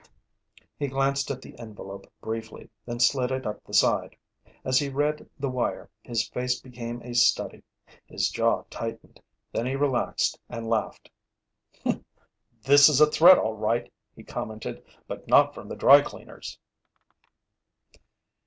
He glanced at the envelope briefly, then slit it up the side. As he read the wire, his face became a study. His jaw tightened. Then he relaxed and laughed. "This is a threat all right," he commented, "but not from the dry cleaners!"